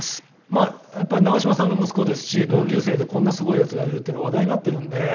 まあやっぱり長嶋さんの息子ですし同級生でこんなすごいヤツがいるっていうの話題になっているんで。